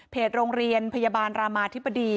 โรงเรียนพยาบาลรามาธิบดี